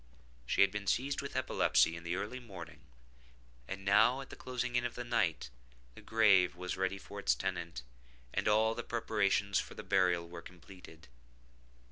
She had been seized with epilepsy in the early morning, and now, at the closing in of the night, the grave was ready for its tenant, and all the preparations for the burial were completed.